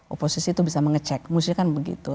oposisi itu bisa mengecek mustinya kan begitu